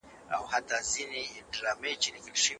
سانسکريت، اوستا، يوناني ژبې مړې شوې.